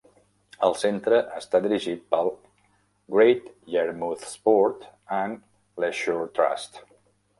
El centre està dirigit pel "Great Yarmouth Sport and leisure Trust".